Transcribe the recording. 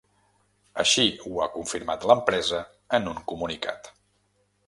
Així ho ha confirmat l’empresa en un comunicat.